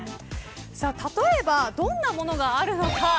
例えばどんなものがあるのか。